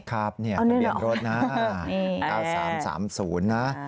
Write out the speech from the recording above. ครับเนี่ยทะเบียนรถนะ๓๓๐นะ